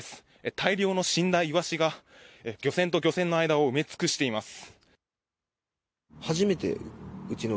大量の死んだイワシが漁船と漁船の間を埋め尽くしています。